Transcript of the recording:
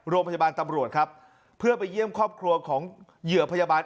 โรงพยาบาลตำรวจครับเพื่อไปเยี่ยมครอบครัวของเหยื่อพยาบาล